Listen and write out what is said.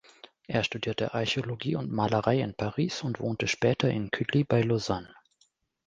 Er studierte Archäologie und Malerei in Paris und wohnte später in Cully bei Lausanne.